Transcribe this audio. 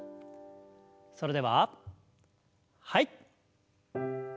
それでははい。